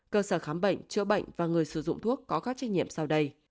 cơ sở khám bệnh chữa bệnh và người sử dụng thuốc có các trách nhiệm sau đây